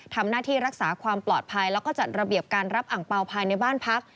ทำหน้าที่รักษาความปลอดภัยแล้วก็จัดระเบียบการรับอังเปล่าภายในบ้านพัก